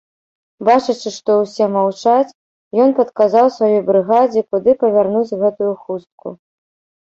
Бачачы, што ўсе маўчаць, ён падказаў сваёй брыгадзе, куды павярнуць гэтую хустку.